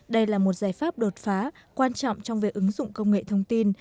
đây là một giải pháp đột phá quan trọng trong việc ứng dụng công nghệ thông tin